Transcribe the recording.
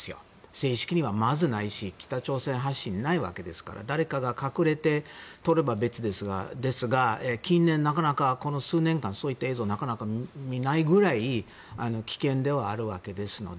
正式にはまずないし北朝鮮発信はないわけですから誰かが隠れて撮れば別ですが近年、なかなかこの数年間そういった映像をなかなか見ないぐらい危険ではあるわけですので。